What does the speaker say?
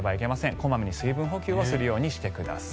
小まめに水分補給をするようにしてください。